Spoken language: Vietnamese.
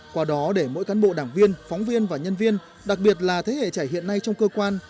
qua đó để mỗi cán bộ đảng viên phóng viên và nhân viên đặc biệt là thế hệ trẻ hiện nay trong cơ quan